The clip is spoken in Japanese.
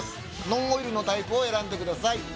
ノンオイルのタイプを選んでください。